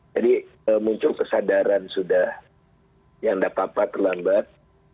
jadi muncul kesadaran sudah yang dapat apat terlambat